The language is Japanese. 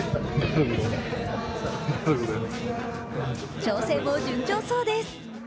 調整も順調そうです。